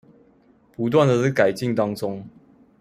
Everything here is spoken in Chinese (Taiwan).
不斷在改進當中